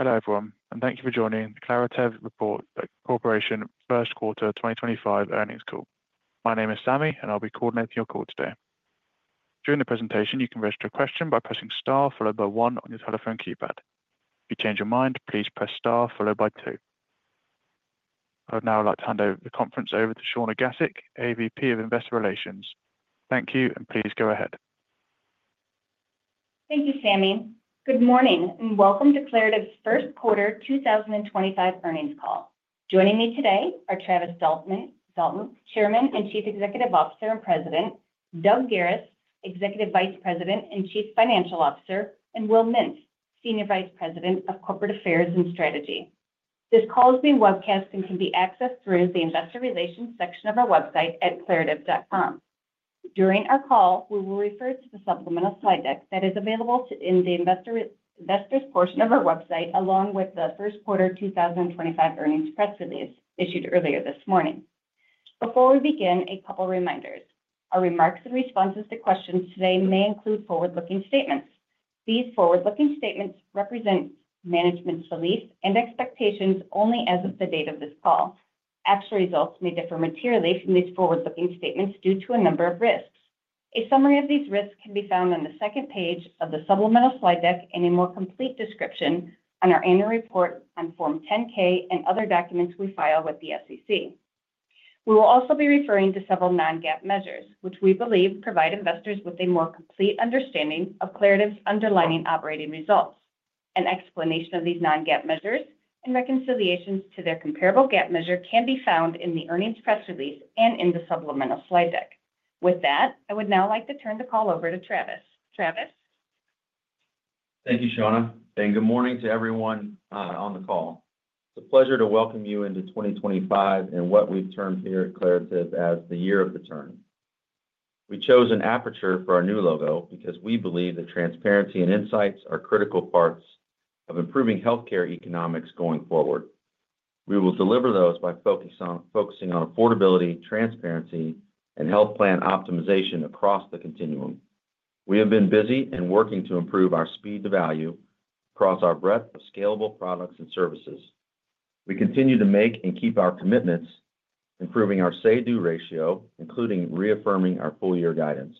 Hello everyone, and thank you for joining the Claritev Corporation First Quarter 2025 earnings call. My name is Sammy, and I'll be coordinating your call today. During the presentation, you can register a question by pressing star followed by one on your telephone keypad. If you change your mind, please press star followed by two. I would now like to hand over the conference to Shawna Gasik, AVP of Investor Relations. Thank you, and please go ahead. Thank you, Sammy. Good morning, and welcome to Claritev's First Quarter 2025 earnings call. Joining me today are Travis Dalton, Chairman and Chief Executive Officer and President; Doug Garis, Executive Vice President and Chief Financial Officer; and Will Mintz, Senior Vice President of Corporate Affairs and Strategy. This call is being webcast and can be accessed through the Investor Relations section of our website at claritev.com. During our call, we will refer to the supplemental slide deck that is available in the Investor's portion of our website, along with the first quarter 2025 earnings press release issued earlier this morning. Before we begin, a couple of reminders. Our remarks and responses to questions today may include forward-looking statements. These forward-looking statements represent management's beliefs and expectations only as of the date of this call. Actual results may differ materially from these forward-looking statements due to a number of risks. A summary of these risks can be found on the second page of the supplemental slide deck and a more complete description on our annual report on Form 10-K and other documents we file with the SEC. We will also be referring to several Non-GAAP measures, which we believe provide investors with a more complete understanding of Claritev's underlying operating results. An explanation of these Non-GAAP measures and reconciliations to their comparable GAAP measure can be found in the earnings press release and in the supplemental slide deck. With that, I would now like to turn the call over to Travis. Travis? Thank you, Shawna. Good morning to everyone on the call. It's a pleasure to welcome you into 2025 and what we've termed here at Claritev as the Year of the Turn. We chose an aperture for our new logo because we believe that transparency and insights are critical parts of improving healthcare economics going forward. We will deliver those by focusing on affordability, transparency, and health plan optimization across the continuum. We have been busy and working to improve our speed to value across our breadth of scalable products and services. We continue to make and keep our commitments, improving our say-do ratio, including reaffirming our full-year guidance.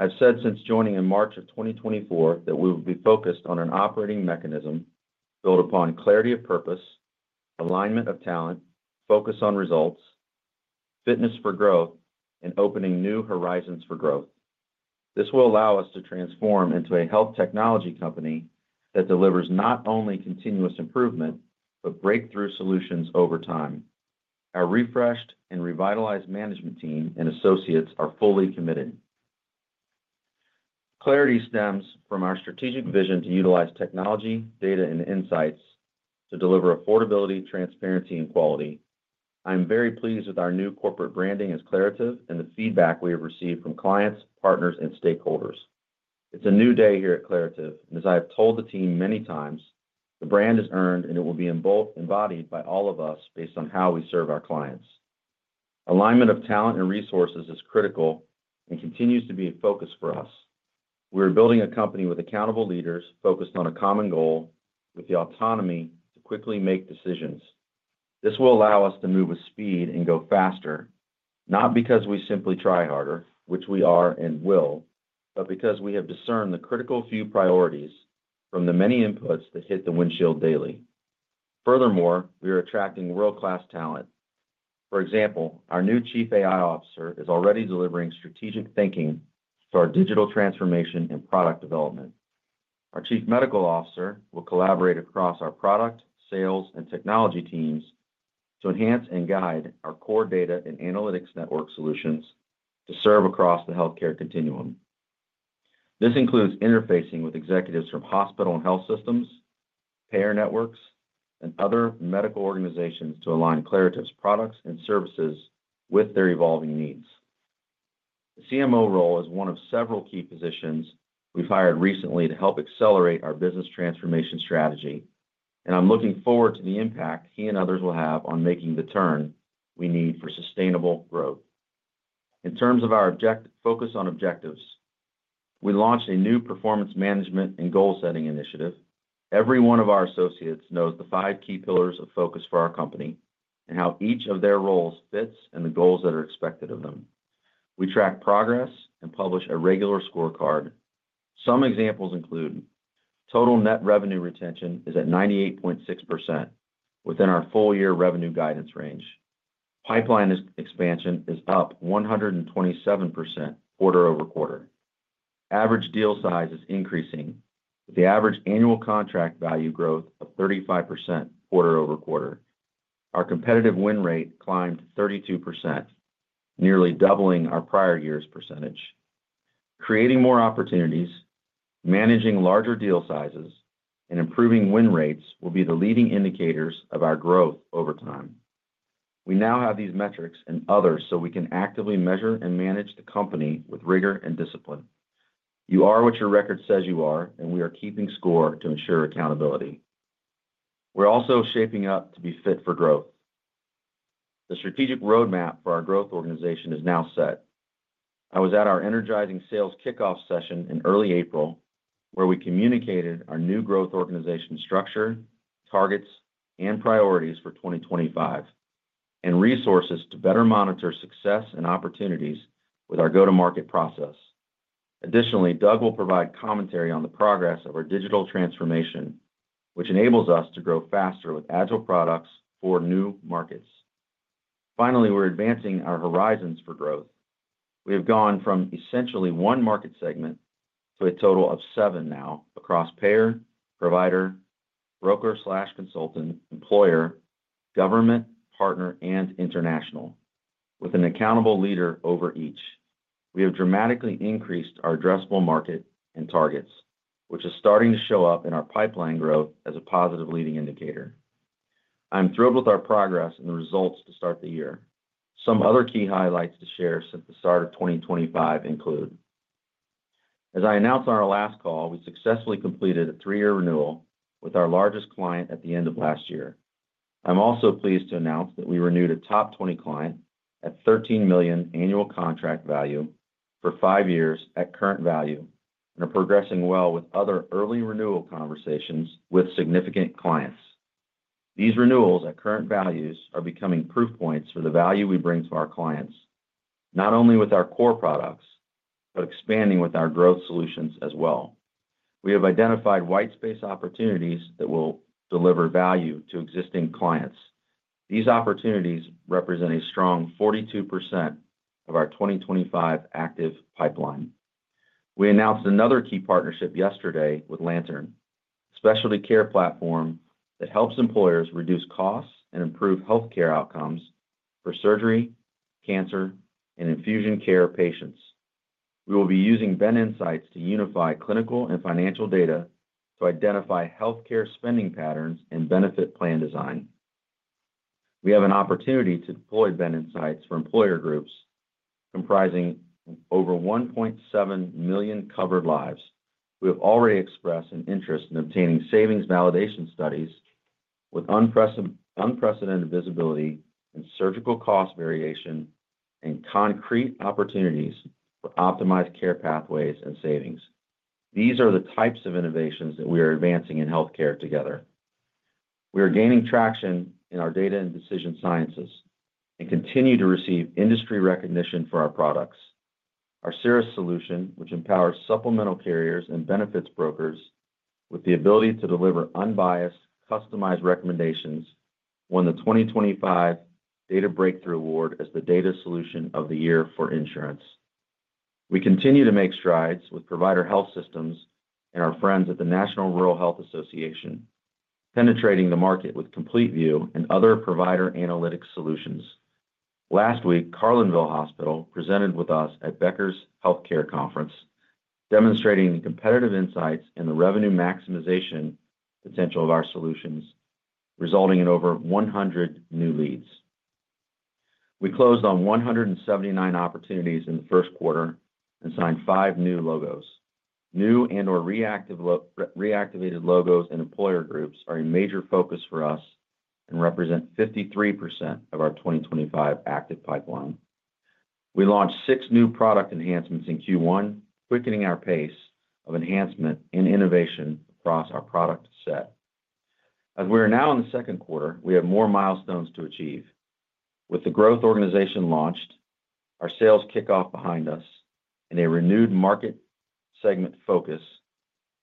I've said since joining in March of 2024 that we will be focused on an operating mechanism built upon clarity of purpose, alignment of talent, focus on results, fitness for growth, and opening new horizons for growth. This will allow us to transform into a health technology company that delivers not only continuous improvement but breakthrough solutions over time. Our refreshed and revitalized management team and associates are fully committed. Clarity stems from our strategic vision to utilize technology, data, and insights to deliver affordability, transparency, and quality. I'm very pleased with our new corporate branding as Claritev and the feedback we have received from clients, partners, and stakeholders. It's a new day here at Claritev, and as I have told the team many times, the brand is earned, and it will be embodied by all of us based on how we serve our clients. Alignment of talent and resources is critical and continues to be a focus for us. We are building a company with accountable leaders focused on a common goal with the autonomy to quickly make decisions. This will allow us to move with speed and go faster, not because we simply try harder, which we are and will, but because we have discerned the critical few priorities from the many inputs that hit the windshield daily. Furthermore, we are attracting world-class talent. For example, our new Chief AI Officer is already delivering strategic thinking to our digital transformation and product development. Our Chief Medical Officer will collaborate across our product, sales, and technology teams to enhance and guide our core data and analytics network solutions to serve across the healthcare continuum. This includes interfacing with executives from hospital and health systems, payer networks, and other medical organizations to align Claritev's products and services with their evolving needs. The CMO role is one of several key positions we've hired recently to help accelerate our business transformation strategy, and I'm looking forward to the impact he and others will have on making the turn we need for sustainable growth. In terms of our focus on objectives, we launched a new performance management and goal-setting initiative. Every one of our associates knows the five key pillars of focus for our company and how each of their roles fits and the goals that are expected of them. We track progress and publish a regular scorecard. Some examples include total net revenue retention is at 98.6% within our full-year revenue guidance range. Pipeline expansion is up 127% quarter over quarter. Average deal size is increasing with the average annual contract value growth of 35% quarter over quarter. Our competitive win rate climbed 32%, nearly doubling our prior year's percentage. Creating more opportunities, managing larger deal sizes, and improving win rates will be the leading indicators of our growth over time. We now have these metrics and others so we can actively measure and manage the company with rigor and discipline. You are what your record says you are, and we are keeping score to ensure accountability. We are also shaping up to be fit for growth. The strategic roadmap for our growth organization is now set. I was at our energizing sales kickoff session in early April, where we communicated our new growth organization structure, targets, and priorities for 2025, and resources to better monitor success and opportunities with our go-to-market process. Additionally, Doug will provide commentary on the progress of our digital transformation, which enables us to grow faster with agile products for new markets. Finally, we are advancing our horizons for growth. We have gone from essentially one market segment to a total of seven now across payer, provider, broker/consultant, employer, government, partner, and international, with an accountable leader over each. We have dramatically increased our addressable market and targets, which is starting to show up in our pipeline growth as a positive leading indicator. I'm thrilled with our progress and the results to start the year. Some other key highlights to share since the start of 2025 include: as I announced on our last call, we successfully completed a three-year renewal with our largest client at the end of last year. I'm also pleased to announce that we renewed a top 20 client at $13 million annual contract value for five years at current value and are progressing well with other early renewal conversations with significant clients. These renewals at current values are becoming proof points for the value we bring to our clients, not only with our core products but expanding with our growth solutions as well. We have identified white space opportunities that will deliver value to existing clients. These opportunities represent a strong 42% of our 2025 active pipeline. We announced another key partnership yesterday with Lantern, a specialty care platform that helps employers reduce costs and improve healthcare outcomes for surgery, cancer, and infusion care patients. We will be using BenInsights to unify clinical and financial data to identify healthcare spending patterns and benefit plan design. We have an opportunity to deploy BenInsights for employer groups comprising over 1.7 million covered lives. We have already expressed an interest in obtaining savings validation studies with unprecedented visibility and surgical cost variation and concrete opportunities for optimized care pathways and savings. These are the types of innovations that we are advancing in healthcare together. We are gaining traction in our Data & Decision Sciences and continue to receive industry recognition for our products. Our Ceres solution, which empowers supplemental carriers and benefits brokers with the ability to deliver unbiased, customized recommendations, won the 2025 Data Breakthrough Award as the Data Solution of the Year for insurance. We continue to make strides with provider health systems and our friends at the National Rural Health Association, penetrating the market with CompleteVue and other provider analytics solutions. Last week, Carlinville Hospital presented with us at Becker's Healthcare Conference, demonstrating competitive insights and the revenue maximization potential of our solutions, resulting in over 100 new leads. We closed on 179 opportunities in the first quarter and signed five new logos. New and/or reactivated logos and employer groups are a major focus for us and represent 53% of our 2025 active pipeline. We launched six new product enhancements in Q1, quickening our pace of enhancement and innovation across our product set. As we are now in the second quarter, we have more milestones to achieve. With the growth organization launched, our sales kickoff behind us, and a renewed market segment focus,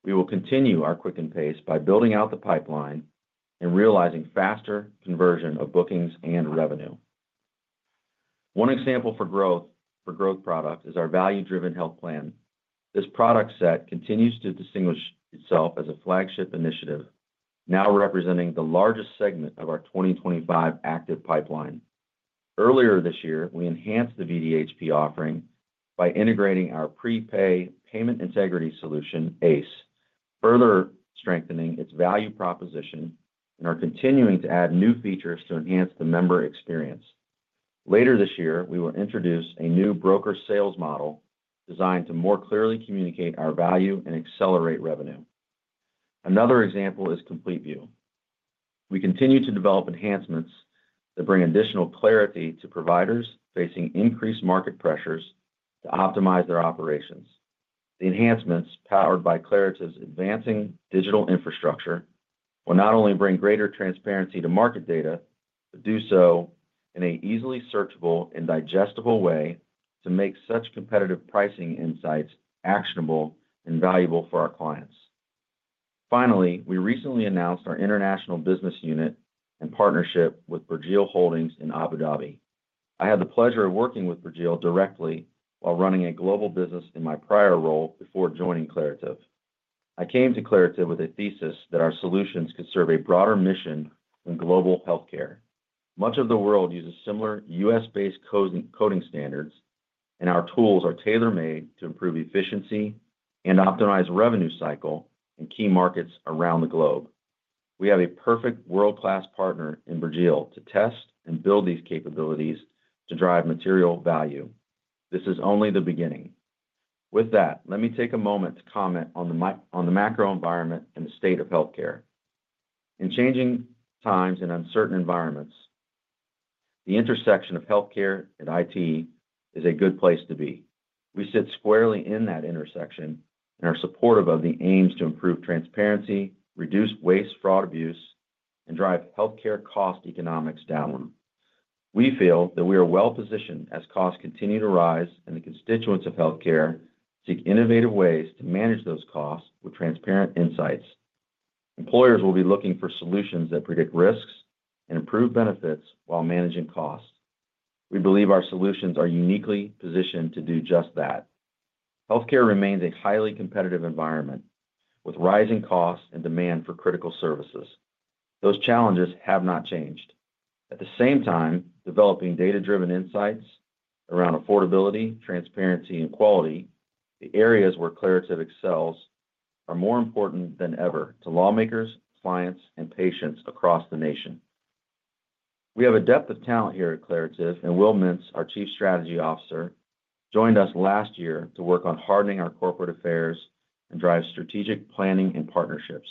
we will continue our quicken pace by building out the pipeline and realizing faster conversion of bookings and revenue. One example for growth product is our Value-Driven Health Plan. This product set continues to distinguish itself as a flagship initiative, now representing the largest segment of our 2025 active pipeline. Earlier this year, we enhanced the VDHP offering by integrating our prepay payment integrity solution, ACE, further strengthening its value proposition and are continuing to add new features to enhance the member experience. Later this year, we will introduce a new broker sales model designed to more clearly communicate our value and accelerate revenue. Another example is CompleteVue. We continue to develop enhancements that bring additional clarity to providers facing increased market pressures to optimize their operations. The enhancements, powered by Claritev's advancing digital infrastructure, will not only bring greater transparency to market data but do so in an easily searchable and digestible way to make such competitive pricing insights actionable and valuable for our clients. Finally, we recently announced our international business unit and partnership with Burjeel Holdings in Abu Dhabi. I had the pleasure of working with Burjeel directly while running a global business in my prior role before joining Claritev. I came to Claritev with a thesis that our solutions could serve a broader mission in global healthcare. Much of the world uses similar U.S.-based coding standards, and our tools are tailor-made to improve efficiency and optimize revenue cycle in key markets around the globe. We have a perfect world-class partner in Burjeel to test and build these capabilities to drive material value. This is only the beginning. With that, let me take a moment to comment on the macro environment and the state of healthcare. In changing times and uncertain environments, the intersection of healthcare and IT is a good place to be. We sit squarely in that intersection and are supportive of the aims to improve transparency, reduce waste, fraud, abuse, and drive healthcare cost economics down. We feel that we are well-positioned as costs continue to rise and the constituents of healthcare seek innovative ways to manage those costs with transparent insights. Employers will be looking for solutions that predict risks and improve benefits while managing costs. We believe our solutions are uniquely positioned to do just that. Healthcare remains a highly competitive environment with rising costs and demand for critical services. Those challenges have not changed. At the same time, developing data-driven insights around affordability, transparency, and quality, the areas where Claritev excels, are more important than ever to lawmakers, clients, and patients across the nation. We have a depth of talent here at Claritev, and Will Mintz, our Chief Strategy Officer, joined us last year to work on hardening our corporate affairs and drive strategic planning and partnerships.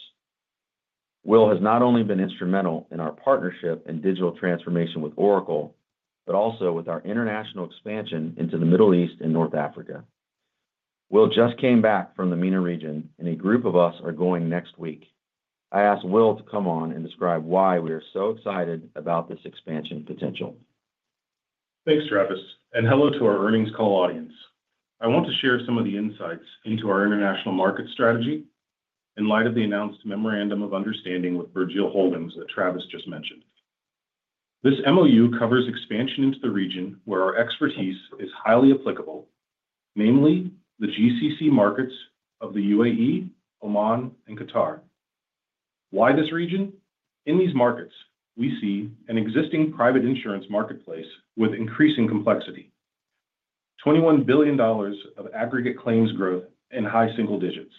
Will has not only been instrumental in our partnership and digital transformation with Oracle but also with our international expansion into the Middle East and North Africa. Will just came back from the MENA region, and a group of us are going next week. I asked Will to come on and describe why we are so excited about this expansion potential. Thanks, Travis. And hello to our earnings call audience. I want to share some of the insights into our international market strategy in light of the announced memorandum of understanding with Burjeel Holdings that Travis just mentioned. This MOU covers expansion into the region where our expertise is highly applicable, namely the GCC markets of the UAE, Oman, and Qatar. Why this region? In these markets, we see an existing private insurance marketplace with increasing complexity, $21 billion of aggregate claims growth in high single digits,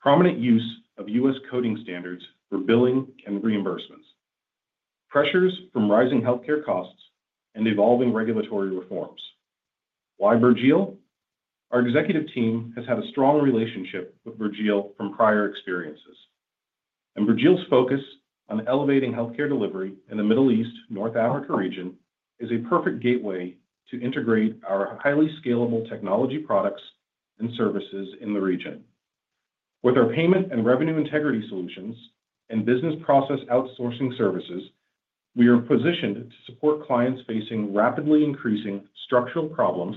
prominent use of U.S. coding standards for billing and reimbursements, pressures from rising healthcare costs, and evolving regulatory reforms. Why Burjeel? Our executive team has had a strong relationship with Burjeel from prior experiences, and Burjeel's focus on elevating healthcare delivery in the Middle East/North Africa region is a perfect gateway to integrate our highly scalable technology products and services in the region. With our payment and revenue integrity solutions and business process outsourcing services, we are positioned to support clients facing rapidly increasing structural problems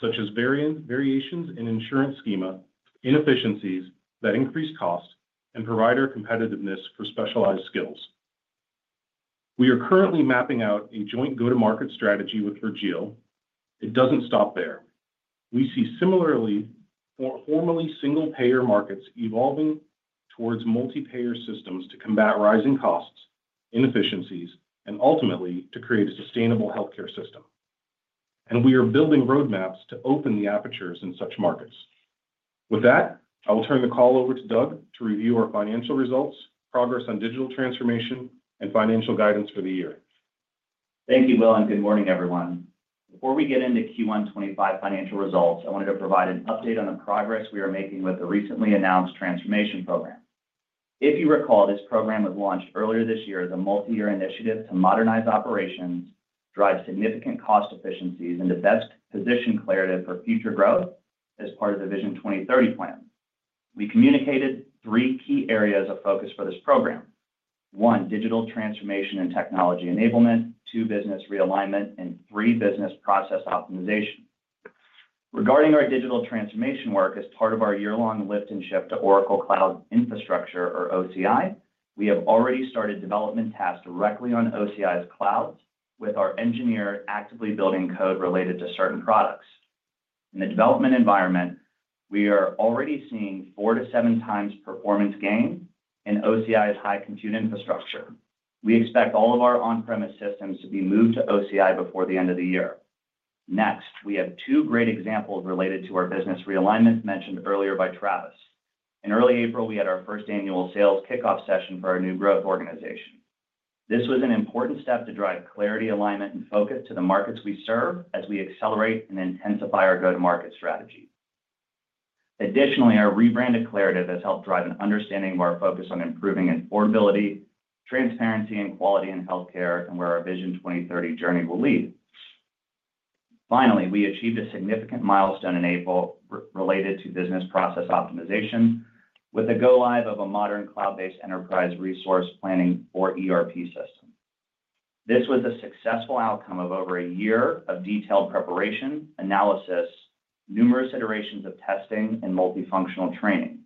such as variations in insurance schema, inefficiencies that increase cost, and provider competitiveness for specialized skills. We are currently mapping out a joint go-to-market strategy with Burjeel. It doesn't stop there. We see similarly formally single-payer markets evolving towards multi-payer systems to combat rising costs, inefficiencies, and ultimately to create a sustainable healthcare system. We are building roadmaps to open the apertures in such markets. With that, I will turn the call over to Doug to review our financial results, progress on digital transformation, and financial guidance for the year. Thank you, Will, and good morning, everyone. Before we get into Q1 2025 financial results, I wanted to provide an update on the progress we are making with the recently announced transformation program. If you recall, this program was launched earlier this year as a multi-year initiative to modernize operations, drive significant cost efficiencies, and to best position Claritev for future growth as part of the Vision 2030 plan. We communicated three key areas of focus for this program: one, digital transformation and technology enablement; two, business realignment; and three, business process optimization. Regarding our digital transformation work as part of our year-long lift and shift to Oracle Cloud Infrastructure, or OCI, we have already started development tasks directly on OCI's clouds with our engineer actively building code related to certain products. In the development environment, we are already seeing 4-7 times performance gain in OCI's high compute infrastructure. We expect all of our on-premise systems to be moved to OCI before the end of the year. Next, we have two great examples related to our business realignment mentioned earlier by Travis. In early April, we had our first annual sales kickoff session for our new growth organization. This was an important step to drive clarity, alignment, and focus to the markets we serve as we accelerate and intensify our go-to-market strategy. Additionally, our rebrand of Claritev has helped drive an understanding of our focus on improving affordability, transparency, and quality in healthcare and where our Vision 2030 journey will lead. Finally, we achieved a significant milestone in April related to business process optimization with the go-live of a modern cloud-based Enterprise Resource Planning, or ERP, system. This was a successful outcome of over a year of detailed preparation, analysis, numerous iterations of testing, and multifunctional training.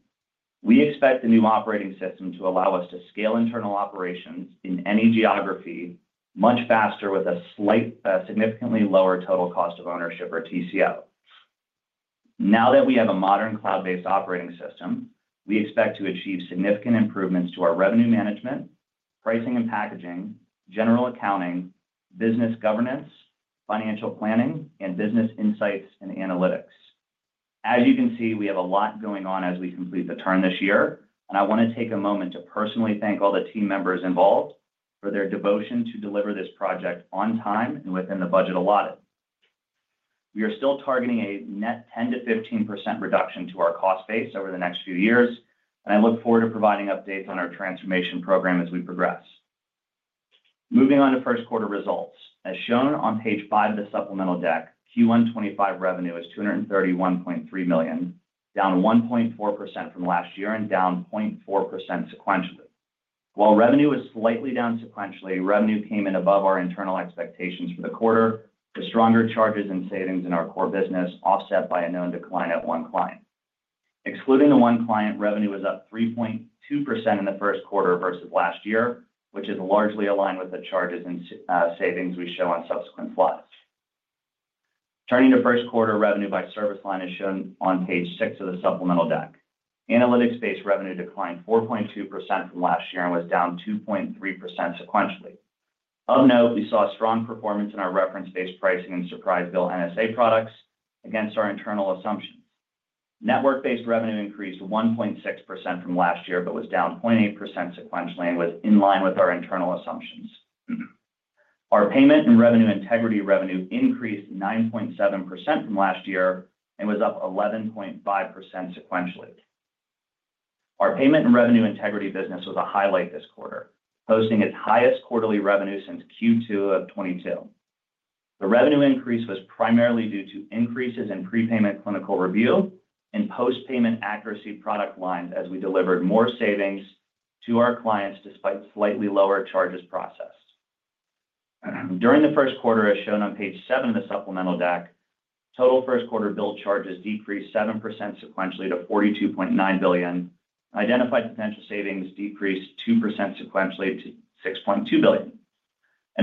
We expect the new operating system to allow us to scale internal operations in any geography much faster with a significantly lower Total Cost of Ownership, or TCO. Now that we have a modern cloud-based operating system, we expect to achieve significant improvements to our revenue management, pricing and packaging, general accounting, business governance, financial planning, and business insights and analytics. As you can see, we have a lot going on as we complete the term this year, and I want to take a moment to personally thank all the team members involved for their devotion to deliver this project on time and within the budget allotted. We are still targeting a net 10-15% reduction to our cost base over the next few years, and I look forward to providing updates on our transformation program as we progress. Moving on to first quarter results. As shown on page five of the supplemental deck, Q1 2025 revenue is $231.3 million, down 1.4% from last year and down 0.4% sequentially. While revenue was slightly down sequentially, revenue came in above our internal expectations for the quarter with stronger charges and savings in our core business offset by a known decline at one client. Excluding the one client, revenue was up 3.2% in the first quarter versus last year, which is largely aligned with the charges and savings we show on subsequent slides. Turning to first quarter revenue by service line as shown on page six of the supplemental deck, analytics-based revenue declined 4.2% from last year and was down 2.3% sequentially. Of note, we saw strong performance in our reference-based pricing and surprise bill NSA products against our internal assumptions. Network-based revenue increased 1.6% from last year but was down 0.8% sequentially and was in line with our internal assumptions. Our payment and revenue integrity revenue increased 9.7% from last year and was up 11.5% sequentially. Our payment and revenue integrity business was a highlight this quarter, posting its highest quarterly revenue since Q2 of 2022. The revenue increase was primarily due to increases in prepayment clinical review and post-payment accuracy product lines as we delivered more savings to our clients despite slightly lower charges processed. During the first quarter, as shown on page seven of the supplemental deck, total first quarter bill charges decreased 7% sequentially to $42.9 billion. Identified potential savings decreased 2% sequentially to $6.2 billion.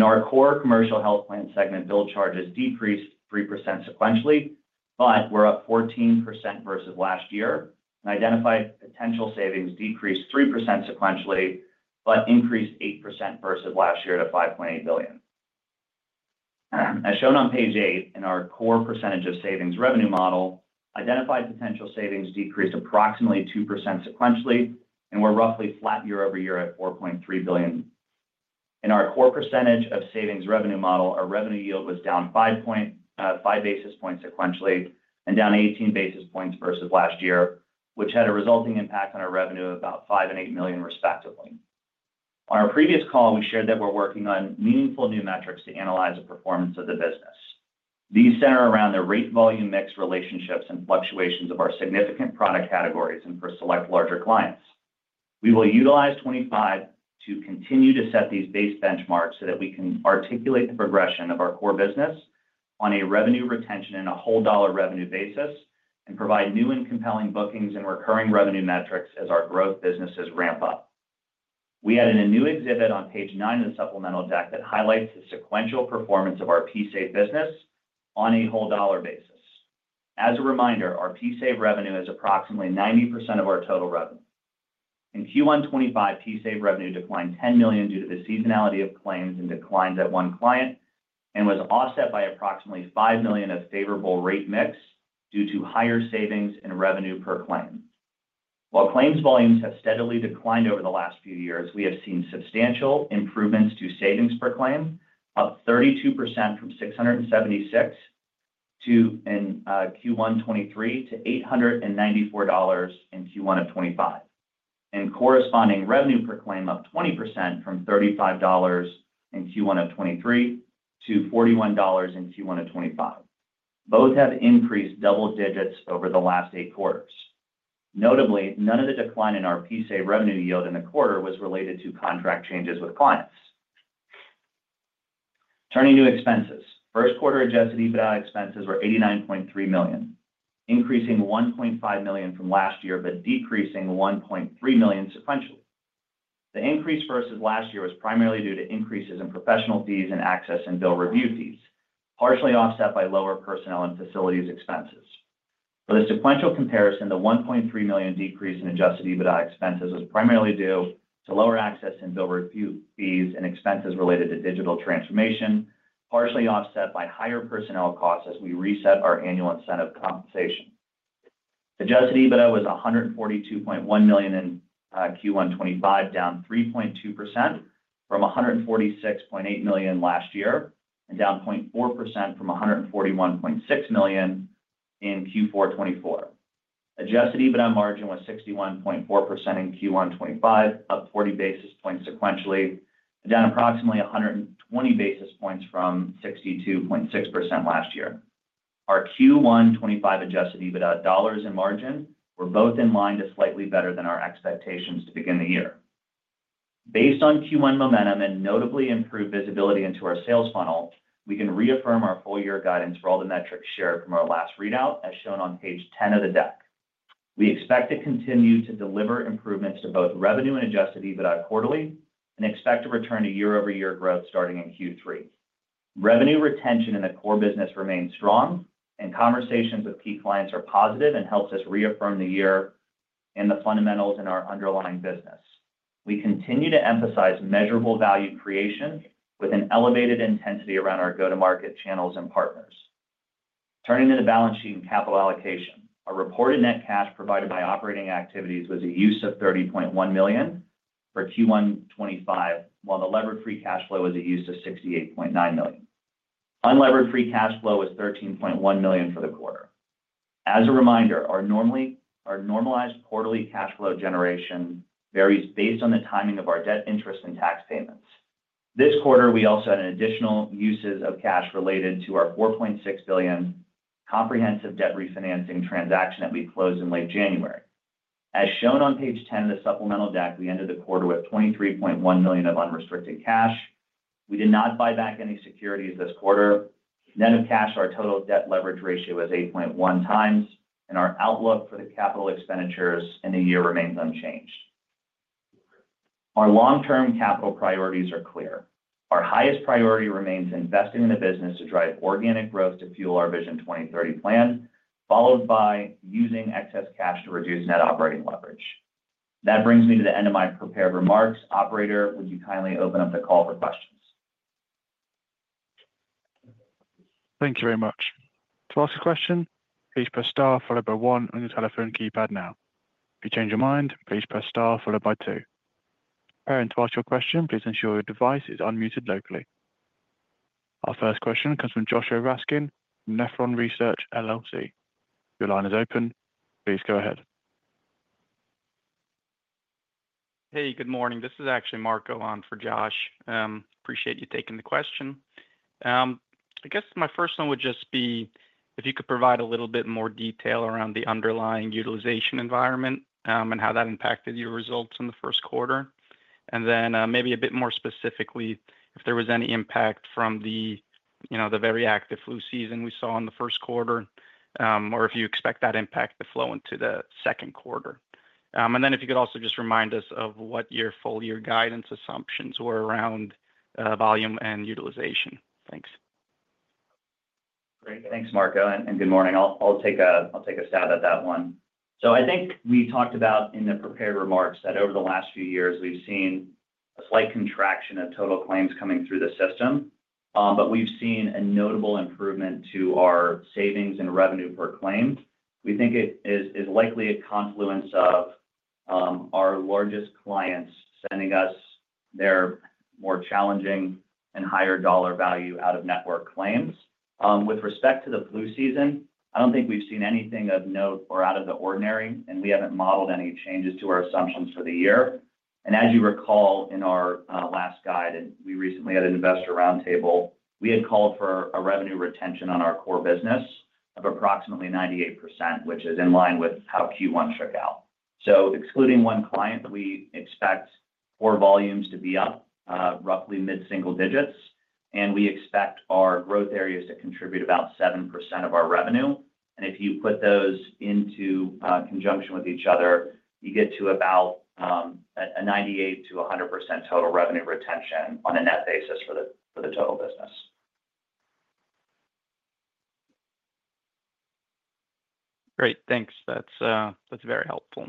Our core commercial health plan segment bill charges decreased 3% sequentially, but were up 14% versus last year. Identified potential savings decreased 3% sequentially but increased 8% versus last year to $5.8 billion. As shown on page eight, in our core percentage of savings revenue model, identified potential savings decreased approximately 2% sequentially and were roughly flat year over year at $4.3 billion. In our core percentage of savings revenue model, our revenue yield was down 5 basis points sequentially and down 18 basis points versus last year, which had a resulting impact on our revenue of about $5 million and $8 million respectively. On our previous call, we shared that we're working on meaningful new metrics to analyze the performance of the business. These center around the rate volume mix relationships and fluctuations of our significant product categories and for select larger clients. We will utilize 2025 to continue to set these base benchmarks so that we can articulate the progression of our core business on a revenue retention and a whole dollar revenue basis and provide new and compelling bookings and recurring revenue metrics as our growth businesses ramp up. We added a new exhibit on page nine of the supplemental deck that highlights the sequential performance of our PSAV business on a whole dollar basis. As a reminder, our PSAV revenue is approximately 90% of our total revenue. In Q1 2025, PSAV revenue declined $10 million due to the seasonality of claims and declines at one client and was offset by approximately $5 million of favorable rate mix due to higher savings and revenue per claim. While claims volumes have steadily declined over the last few years, we have seen substantial improvements to savings per claim, up 32% from $676 in Q1 2023 to $894 in Q1 2025, and corresponding revenue per claim up 20% from $35 in Q1 2023 to $41 in Q1 2025. Both have increased double digits over the last eight quarters. Notably, none of the decline in our PSAV revenue yield in the quarter was related to contract changes with clients. Turning to expenses, first quarter adjusted EBITDA expenses were $89.3 million, increasing $1.5 million from last year but decreasing $1.3 million sequentially. The increase versus last year was primarily due to increases in professional fees and access and bill review fees, partially offset by lower personnel and facilities expenses. For the sequential comparison, the $1.3 million decrease in adjusted EBITDA expenses was primarily due to lower access and bill review fees and expenses related to digital transformation, partially offset by higher personnel costs as we reset our annual incentive compensation. Adjusted EBITDA was $142.1 million in Q1 2025, down 3.2% from $146.8 million last year and down 0.4% from $141.6 million in Q4 2024. Adjusted EBITDA margin was 61.4% in Q1 2025, up 40 basis points sequentially, and down approximately 120 basis points from 62.6% last year. Our Q1 2025 adjusted EBITDA dollars and margin were both in line to slightly better than our expectations to begin the year. Based on Q1 momentum and notably improved visibility into our sales funnel, we can reaffirm our full-year guidance for all the metrics shared from our last readout, as shown on page 10 of the deck. We expect to continue to deliver improvements to both revenue and adjusted EBITDA quarterly and expect to return to year-over-year growth starting in Q3. Revenue retention in the core business remains strong, and conversations with key clients are positive and helps us reaffirm the year and the fundamentals in our underlying business. We continue to emphasize measurable value creation with an elevated intensity around our go-to-market channels and partners. Turning to the balance sheet and capital allocation, our reported net cash provided by operating activities was a use of $30.1 million for Q1 2025, while the levered free cash flow was a use of $68.9 million. Unlevered free cash flow was $13.1 million for the quarter. As a reminder, our normalized quarterly cash flow generation varies based on the timing of our debt interest and tax payments. This quarter, we also had an additional use of cash related to our $4.6 billion comprehensive debt refinancing transaction that we closed in late January. As shown on page 10 of the supplemental deck, we ended the quarter with $23.1 million of unrestricted cash. We did not buy back any securities this quarter. Net of cash, our total debt leverage ratio was 8.1 times, and our outlook for the capital expenditures in the year remains unchanged. Our long-term capital priorities are clear. Our highest priority remains investing in the business to drive organic growth to fuel our Vision 2030 plan, followed by using excess cash to reduce net operating leverage. That brings me to the end of my prepared remarks. Operator, would you kindly open up the call for questions? Thank you very much. To ask a question, please press star followed by one on your telephone keypad now. If you change your mind, please press star followed by two. To ask your question, please ensure your device is unmuted locally. Our first question comes from Joshua Raskin, Nephron Research LLC. Your line is open. Please go ahead. Hey, good morning. This is actually Mark Olan for Josh. Appreciate you taking the question. I guess my first one would just be if you could provide a little bit more detail around the underlying utilization environment and how that impacted your results in the first quarter. Maybe a bit more specifically, if there was any impact from the very active flu season we saw in the first quarter, or if you expect that impact to flow into the second quarter. If you could also just remind us of what your full-year guidance assumptions were around volume and utilization. Thanks. Great. Thanks, Mark Olan. Good morning. I'll take a stab at that one. I think we talked about in the prepared remarks that over the last few years, we've seen a slight contraction of total claims coming through the system, but we've seen a notable improvement to our savings and revenue per claim. We think it is likely a confluence of our largest clients sending us their more challenging and higher dollar value out-of-network claims. With respect to the flu season, I don't think we've seen anything of note or out of the ordinary, and we haven't modeled any changes to our assumptions for the year. As you recall, in our last guide, we recently had an investor roundtable. We had called for a revenue retention on our core business of approximately 98%, which is in line with how Q1 shook out. Excluding one client, we expect core volumes to be up roughly mid-single digits, and we expect our growth areas to contribute about 7% of our revenue. If you put those into conjunction with each other, you get to about a 98-100% total revenue retention on a net basis for the total business. Great. Thanks. That's very helpful.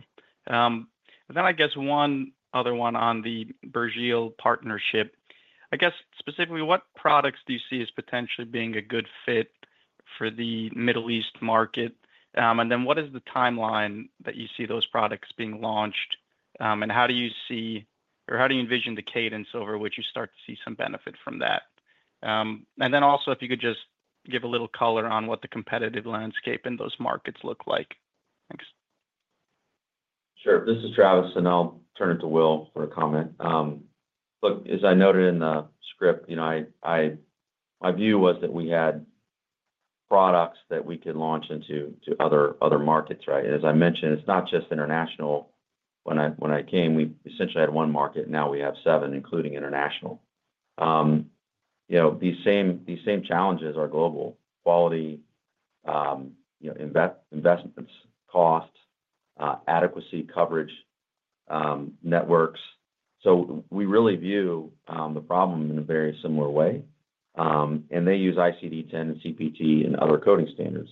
I guess one other one on the Burjeel Partnership. Specifically, what products do you see as potentially being a good fit for the Middle East market? What is the timeline that you see those products being launched? How do you see, or how do you envision, the cadence over which you start to see some benefit from that? Also, if you could just give a little color on what the competitive landscape in those markets looks like. Thanks. Sure. This is Travis, and I'll turn it to Will for a comment. Look, as I noted in the script, my view was that we had products that we could launch into other markets, right? As I mentioned, it's not just international. When I came, we essentially had one market, and now we have seven, including international. These same challenges are global: quality, investments, cost, adequacy, coverage, networks. We really view the problem in a very similar way. They use ICD-10 and CPT and other coding standards.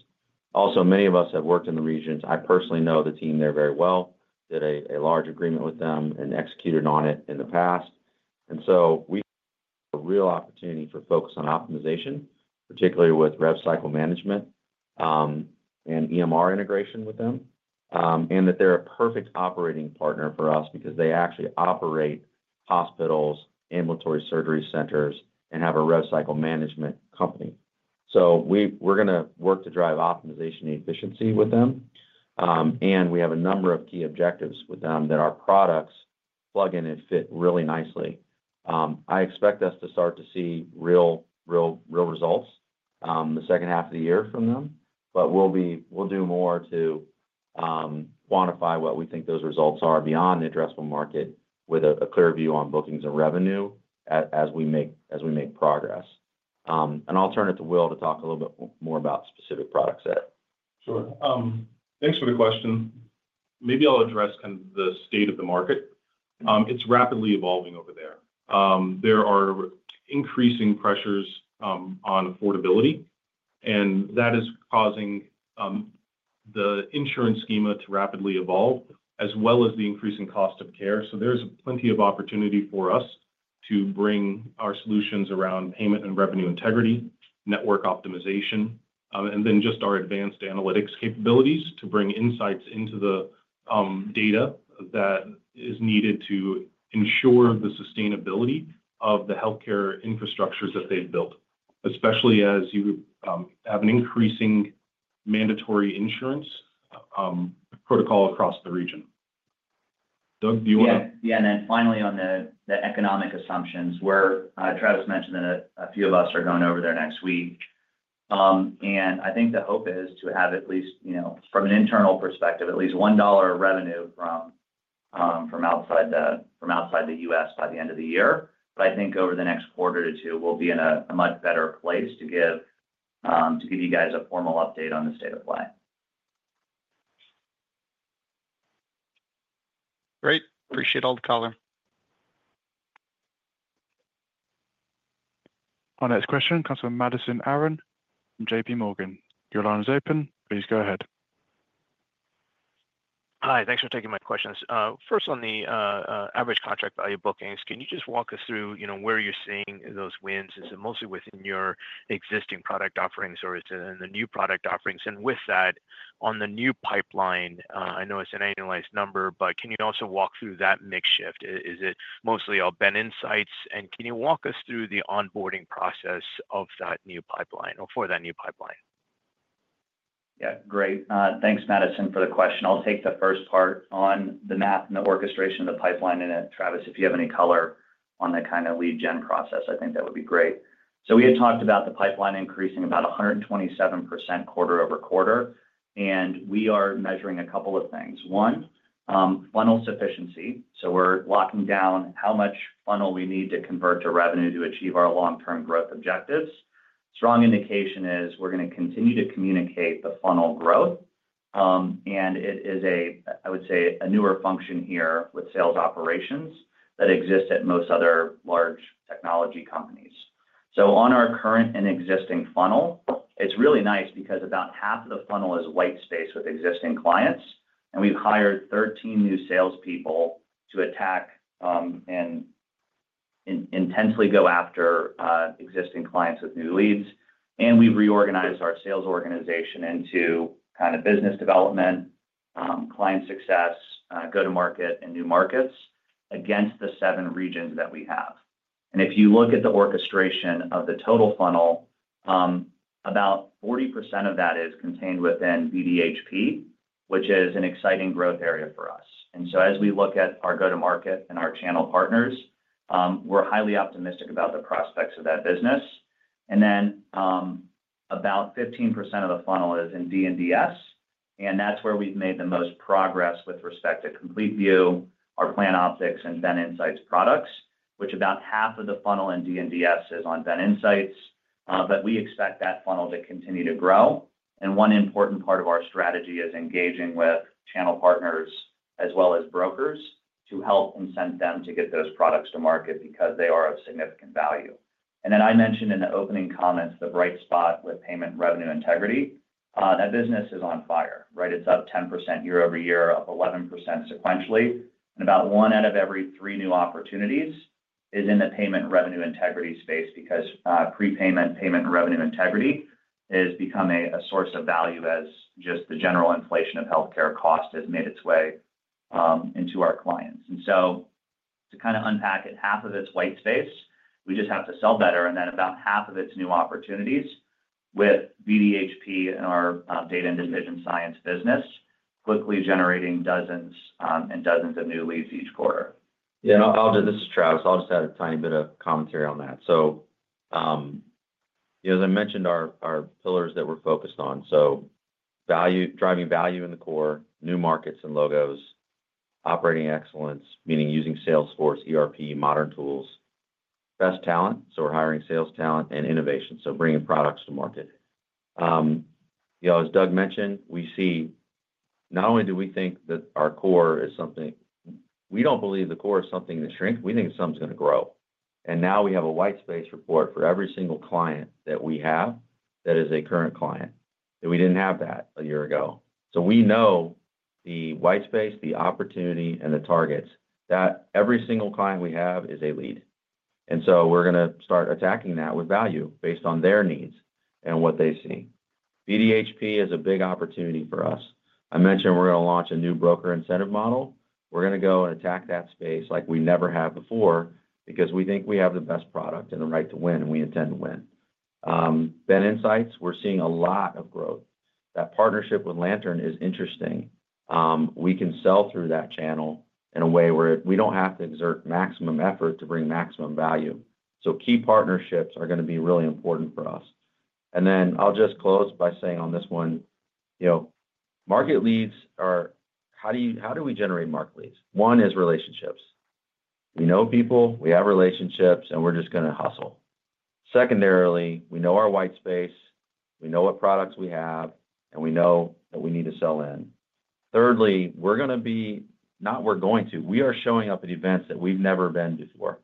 Also, many of us have worked in the regions. I personally know the team there very well, did a large agreement with them, and executed on it in the past. We have a real opportunity for focus on optimization, particularly with rev cycle management and EMR integration with them, and that they are a perfect operating partner for us because they actually operate hospitals, ambulatory surgery centers, and have a rev cycle management company. We are going to work to drive optimization and efficiency with them. We have a number of key objectives with them that our products plug in and fit really nicely. I expect us to start to see real results the second half of the year from them, but we will do more to quantify what we think those results are beyond the addressable market with a clear view on bookings and revenue as we make progress. I will turn it to Will to talk a little bit more about specific products there. Sure. Thanks for the question. Maybe I'll address kind of the state of the market. It's rapidly evolving over there. There are increasing pressures on affordability, and that is causing the insurance schema to rapidly evolve as well as the increasing cost of care. There's plenty of opportunity for us to bring our solutions around payment and revenue integrity, network optimization, and then just our advanced analytics capabilities to bring insights into the data that is needed to ensure the sustainability of the healthcare infrastructures that they've built, especially as you have an increasing mandatory insurance protocol across the region. Doug, do you want to? Yeah. Finally, on the economic assumptions, Travis mentioned that a few of us are going over there next week. I think the hope is to have at least, from an internal perspective, at least $1 of revenue from outside the U.S. by the end of the year. I think over the next quarter or two, we'll be in a much better place to give you guys a formal update on the state of play. Great. Appreciate all the color. Our next question comes from Madison Arron from JPMorgan. Your line is open. Please go ahead. Hi. Thanks for taking my questions. First, on the average contract value bookings, can you just walk us through where you're seeing those wins? Is it mostly within your existing product offerings or is it in the new product offerings? And with that, on the new pipeline, I know it's an annualized number, but can you also walk through that mix shift? Is it mostly all BenInsights? Can you walk us through the onboarding process of that new pipeline or for that new pipeline? Yeah. Great. Thanks, Madison, for the question. I'll take the first part on the math and the orchestration of the pipeline. Travis, if you have any color on the kind of lead gen process, I think that would be great. We had talked about the pipeline increasing about 127% quarter over quarter. We are measuring a couple of things. One, funnel sufficiency. We're locking down how much funnel we need to convert to revenue to achieve our long-term growth objectives. Strong indication is we're going to continue to communicate the funnel growth. It is, I would say, a newer function here with sales operations that exists at most other large technology companies. On our current and existing funnel, it's really nice because about half of the funnel is white space with existing clients. We've hired 13 new salespeople to attack and intensely go after existing clients with new leads. We've reorganized our sales organization into kind of business development, client success, go-to-market, and new markets against the seven regions that we have. If you look at the orchestration of the total funnel, about 40% of that is contained within VDHP, which is an exciting growth area for us. As we look at our go-to-market and our channel partners, we're highly optimistic about the prospects of that business. About 15% of the funnel is in D&DS. That is where we have made the most progress with respect to CompleteVue, our PlanOptix, and BenInsights products, which about half of the funnel in D&DS is on BenInsights. We expect that funnel to continue to grow. One important part of our strategy is engaging with channel partners as well as brokers to help and send them to get those products to market because they are of significant value. I mentioned in the opening comments the bright spot with payment and revenue integrity. That business is on fire, right? It is up 10% year over year, up 11% sequentially. About one out of every three new opportunities is in the payment and revenue integrity space because prepayment, payment, and revenue integrity has become a source of value as just the general inflation of healthcare cost has made its way into our clients. To kind of unpack it, half of it is white space, we just have to sell better. About half of it is new opportunities with VDHP and our Data & Decision Science business quickly generating dozens and dozens of new leads each quarter. Yeah. This is Travis. I'll just add a tiny bit of commentary on that. As I mentioned, our pillars that we're focused on are driving value in the core, new markets and logos, operating excellence, meaning using Salesforce, ERP, modern tools, best talent. We're hiring sales talent and innovation, bringing products to market. As Doug mentioned, we see not only do we think that our core is something we do not believe the core is something that shrinks. We think something is going to grow. Now we have a white space report for every single client that we have that is a current client. We did not have that a year ago. We know the white space, the opportunity, and the targets that every single client we have is a lead. We are going to start attacking that with value based on their needs and what they see. VDHP is a big opportunity for us. I mentioned we are going to launch a new broker incentive model. We are going to go and attack that space like we never have before because we think we have the best product and the right to win, and we intend to win. BenInsights, we're seeing a lot of growth. That partnership with Lantern is interesting. We can sell through that channel in a way where we do not have to exert maximum effort to bring maximum value. Key partnerships are going to be really important for us. I'll just close by saying on this one, market leads are how do we generate market leads? One is relationships. We know people, we have relationships, and we're just going to hustle. Secondarily, we know our white space, we know what products we have, and we know that we need to sell in. Thirdly, we are showing up at events that we've never been before.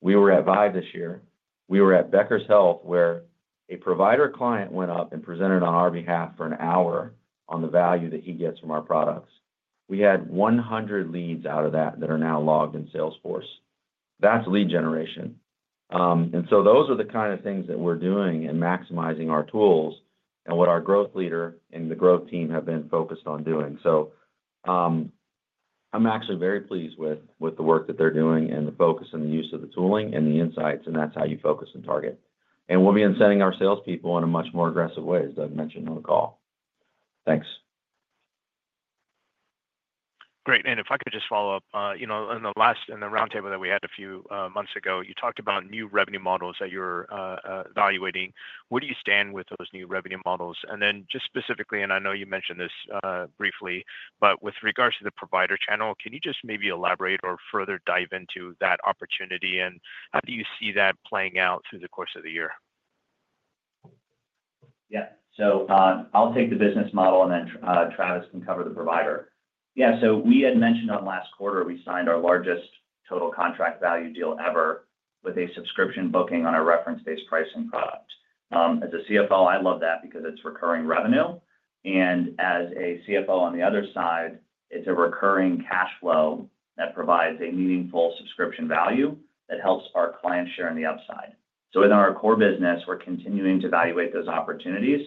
We were at ViVE this year. We were at Becker's Healthcare where a provider client went up and presented on our behalf for an hour on the value that he gets from our products. We had 100 leads out of that that are now logged in Salesforce. That's lead generation. Those are the kind of things that we're doing and maximizing our tools and what our growth leader and the growth team have been focused on doing. I'm actually very pleased with the work that they're doing and the focus and the use of the tooling and the insights, and that's how you focus and target. We'll be incenting our salespeople in a much more aggressive way, as Doug mentioned on the call. Thanks. Great. If I could just follow up, in the roundtable that we had a few months ago, you talked about new revenue models that you're evaluating. Where do you stand with those new revenue models? And then just specifically, and I know you mentioned this briefly, but with regards to the provider channel, can you just maybe elaborate or further dive into that opportunity? And how do you see that playing out through the course of the year? Yeah. I will take the business model, and then Travis can cover the provider. Yeah. We had mentioned on last quarter, we signed our largest total contract value deal ever with a subscription booking on a reference-based pricing product. As a CFO, I love that because it is recurring revenue. And as a CFO on the other side, it is a recurring cash flow that provides a meaningful subscription value that helps our client share on the upside. Within our core business, we are continuing to evaluate those opportunities.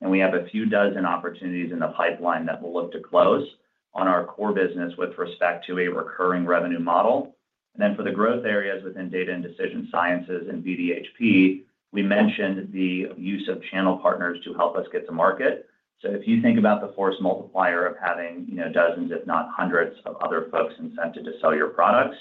We have a few dozen opportunities in the pipeline that we'll look to close on our core business with respect to a recurring revenue model. For the growth areas within Data & Decision Sciences and VDHP, we mentioned the use of channel partners to help us get to market. If you think about the force multiplier of having dozens, if not hundreds, of other folks incented to sell your products,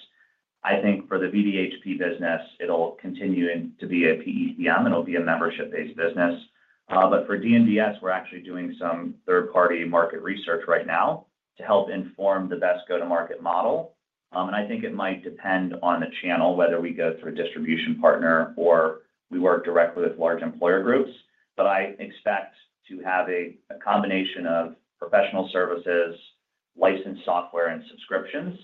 I think for the VDHP business, it'll continue to be a PEPM. It'll be a membership-based business. For D&DS, we're actually doing some third-party market research right now to help inform the best go-to-market model. I think it might depend on the channel, whether we go through a distribution partner or we work directly with large employer groups. I expect to have a combination of professional services, licensed software, and subscriptions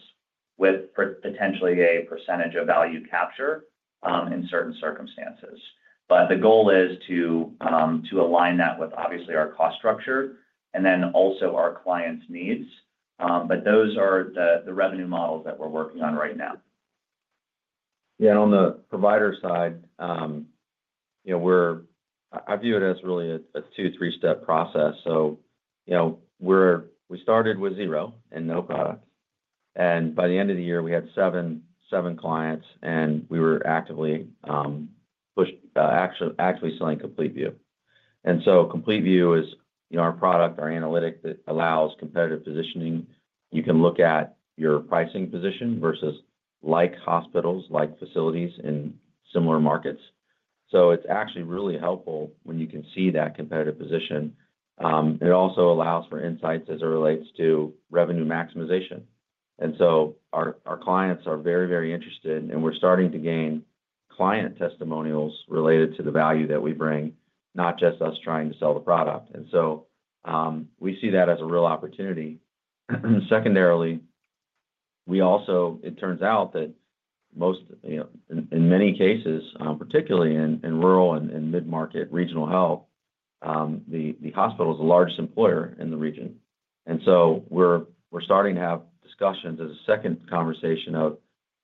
with potentially a percentage of value capture in certain circumstances. The goal is to align that with, obviously, our cost structure and then also our clients' needs. Those are the revenue models that we're working on right now. Yeah. On the provider side, I view it as really a two to three-step process. We started with zero and no products. By the end of the year, we had seven clients, and we were actively actually selling CompleteVue. CompleteVue is our product, our analytic that allows competitive positioning. You can look at your pricing position versus like hospitals, like facilities in similar markets. It is actually really helpful when you can see that competitive position. It also allows for insights as it relates to revenue maximization. Our clients are very, very interested, and we're starting to gain client testimonials related to the value that we bring, not just us trying to sell the product. We see that as a real opportunity. Secondarily, it turns out that in many cases, particularly in rural and mid-market regional health, the hospital is the largest employer in the region. We're starting to have discussions as a second conversation of,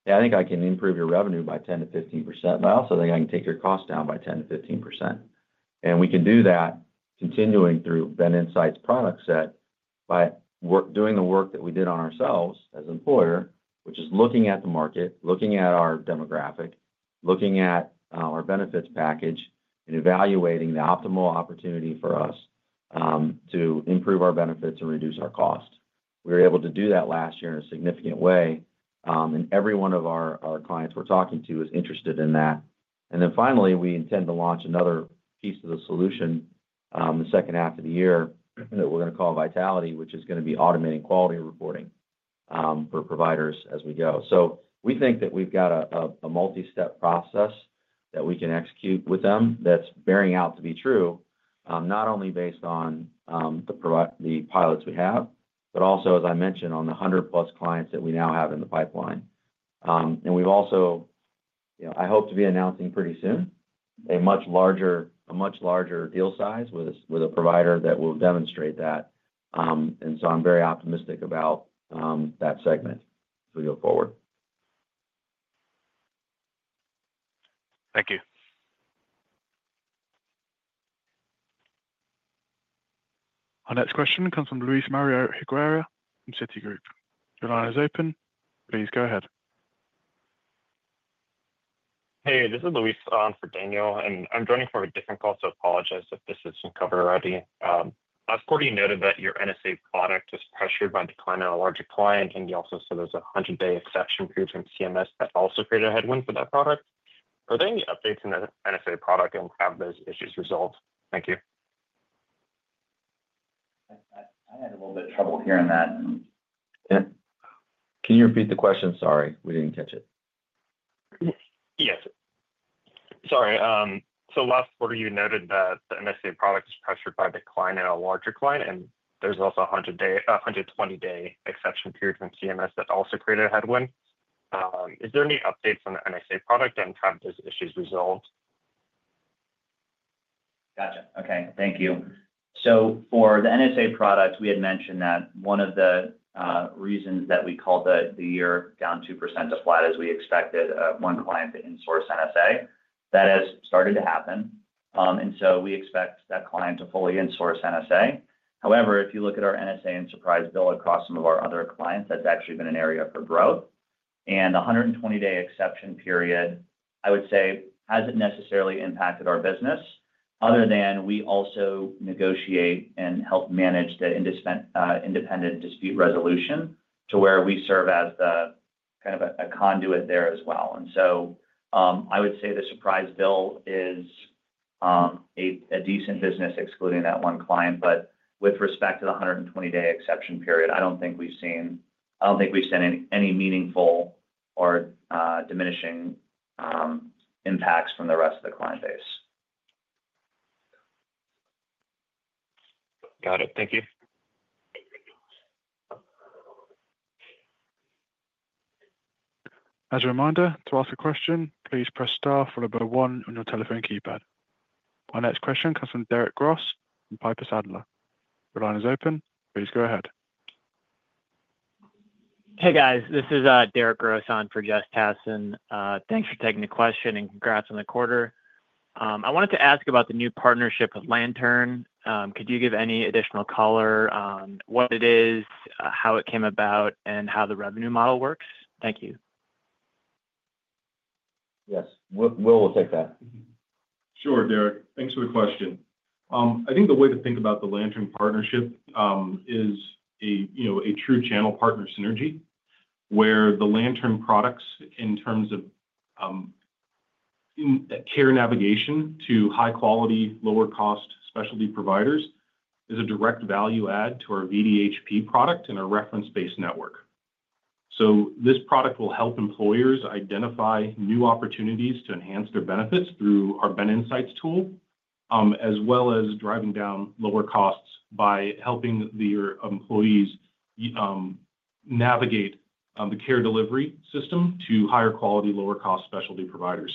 "Hey, I think I can improve your revenue by 10-15%, but I also think I can take your cost down by 10-15%." We can do that continuing through BenInsights product set by doing the work that we did on ourselves as an employer, which is looking at the market, looking at our demographic, looking at our benefits package, and evaluating the optimal opportunity for us to improve our benefits and reduce our cost. We were able to do that last year in a significant way. Every one of our clients we're talking to is interested in that. Finally, we intend to launch another piece of the solution the second half of the year that we're going to call Vitality, which is going to be automating quality reporting for providers as we go. We think that we've got a multi-step process that we can execute with them that's bearing out to be true, not only based on the pilots we have, but also, as I mentioned, on the 100-plus clients that we now have in the pipeline. I hope to be announcing pretty soon a much larger deal size with a provider that will demonstrate that. I am very optimistic about that segment as we go forward. Thank you. Our next question comes from Luismario Higuera from Citigroup. Your line is open. Please go ahead. Hey, this is Luis for Daniel. I'm joining from a different call, so I apologize if this isn't covered already. Last quarter, you noted that your NSA product was pressured by a decline on a larger client, and you also said there's a 100-day exception period from CMS that also created a headwind for that product. Are there any updates in the NSA product and have those issues resolved? Thank you. I had a little bit of trouble hearing that. Can you repeat the question? Sorry, we didn't catch it. Yes. Sorry. Last quarter, you noted that the NSA product was pressured by a decline on a larger client, and there's also a 120-day exception period from CMS that also created a headwind. Is there any updates on the NSA product and have those issues resolved? Gotcha. Okay. Thank you. For the NSA product, we had mentioned that one of the reasons that we called the year down 2% to flat is we expected one client to insource NSA. That has started to happen. We expect that client to fully insource NSA. However, if you look at our NSA and surprise bill across some of our other clients, that's actually been an area for growth. The 120-day exception period, I would say, hasn't necessarily impacted our business other than we also negotiate and help manage the independent dispute resolution to where we serve as kind of a conduit there as well. I would say the surprise bill is a decent business excluding that one client. With respect to the 120-day exception period, I do not think we have seen any meaningful or diminishing impacts from the rest of the client base. Got it. Thank you. As a reminder, to ask a question, please press star then the number one on your telephone keypad. Our next question comes from Derek Gross from Piper Sandler. Your line is open. Please go ahead. Hey, guys. This is Derek Gross on for Jess Tassan. Thanks for taking the question and congrats on the quarter. I wanted to ask about the new partnership with Lantern. Could you give any additional color on what it is, how it came about, and how the revenue model works? Thank you. Yes. Will will take that. Sure, Derek. Thanks for the question. I think the way to think about the Lantern partnership is a true channel partner synergy where the Lantern products, in terms of care navigation to high-quality, lower-cost specialty providers, is a direct value add to our VDHP product and our reference-based network. This product will help employers identify new opportunities to enhance their benefits through our BenInsights tool, as well as driving down lower costs by helping the employees navigate the care delivery system to higher-quality, lower-cost specialty providers.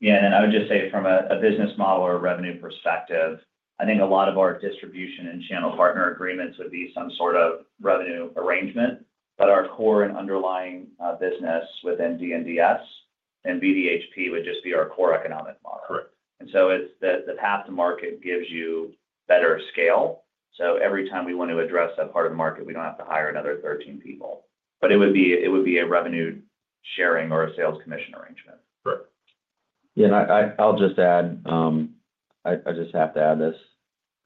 Yeah. I would just say from a business model or a revenue perspective, I think a lot of our distribution and channel partner agreements would be some sort of revenue arrangement. Our core and underlying business within D&DS and VDHP would just be our core economic model. Correct. It is the path to market gives you better scale. Every time we want to address that part of the market, we do not have to hire another 13 people. It would be a revenue sharing or a sales commission arrangement. Correct. Yeah. I will just add I just have to add this.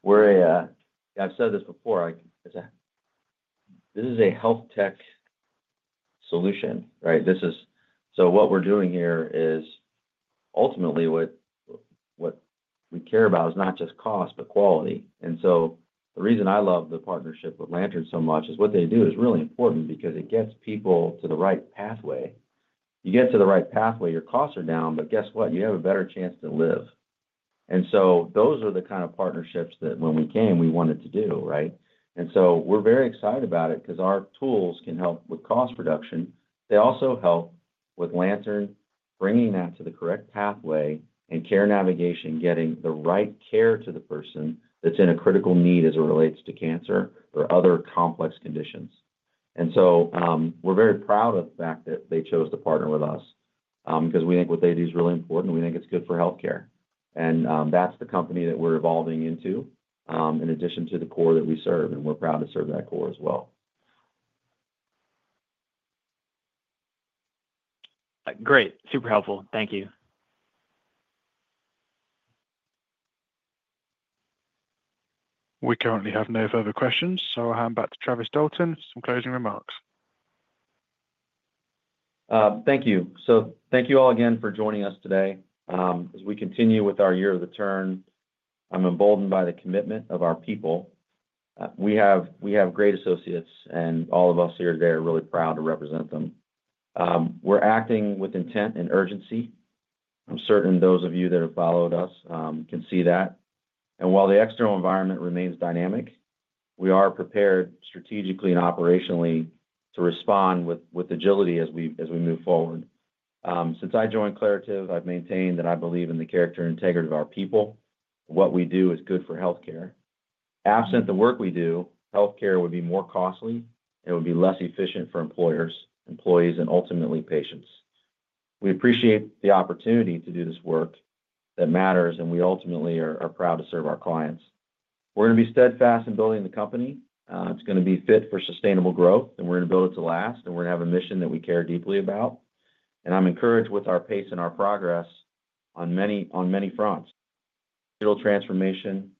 I have said this before. This is a health tech solution, right? What we are doing here is ultimately what we care about is not just cost, but quality. The reason I love the partnership with Lantern so much is what they do is really important because it gets people to the right pathway. You get to the right pathway, your costs are down, but guess what? You have a better chance to live. Those are the kind of partnerships that when we came, we wanted to do, right? We are very excited about it because our tools can help with cost reduction. They also help with Lantern, bringing that to the correct pathway and care navigation, getting the right care to the person that is in a critical need as it relates to cancer or other complex conditions. We are very proud of the fact that they chose to partner with us because we think what they do is really important. We think it is good for healthcare. That is the company that we are evolving into in addition to the core that we serve. We are proud to serve that core as well. Great. Super helpful. Thank you. We currently have no further questions. I am back to Travis Dalton for some closing remarks. Thank you. Thank you all again for joining us today. As we continue with our year of the turn, I'm emboldened by the commitment of our people. We have great associates, and all of us here today are really proud to represent them. We're acting with intent and urgency. I'm certain those of you that have followed us can see that. While the external environment remains dynamic, we are prepared strategically and operationally to respond with agility as we move forward. Since I joined Claritev, I've maintained that I believe in the character and integrity of our people. What we do is good for healthcare. Absent the work we do, healthcare would be more costly, and it would be less efficient for employers, employees, and ultimately patients. We appreciate the opportunity to do this work that matters, and we ultimately are proud to serve our clients. We're going to be steadfast in building the company. is going to be fit for sustainable growth, and we are going to build it to last, and we are going to have a mission that we care deeply about. I am encouraged with our pace and our progress on many fronts: digital transformation,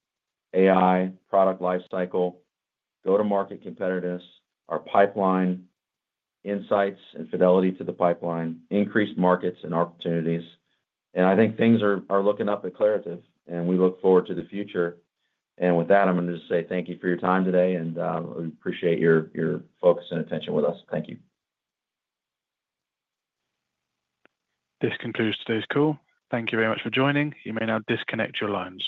AI, product lifecycle, go-to-market competitiveness, our pipeline, insights and fidelity to the pipeline, increased markets and opportunities. I think things are looking up at Claritev, and we look forward to the future. With that, I am going to just say thank you for your time today, and we appreciate your focus and attention with us. Thank you. This concludes today's call. Thank you very much for joining. You may now disconnect your lines.